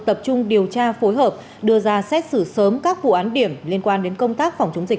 tập trung điều tra phối hợp đưa ra xét xử sớm các vụ án điểm liên quan đến công tác phòng chống dịch